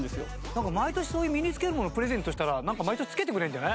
毎年そういう身につけるものをプレゼントしたらなんか毎年つけてくれるんじゃない？